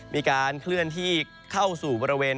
มีการเคลื่อนที่เข้าสู่บริเวณ